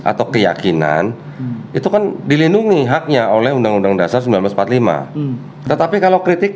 atau keyakinan itu kan dilindungi haknya oleh undang undang dasar seribu sembilan ratus empat puluh lima tetapi kalau kritik